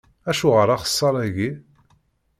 Acuɣer axeṣṣar-agi?